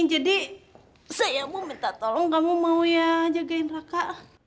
jadi saya mau minta tolong kamu mau ya jagain raka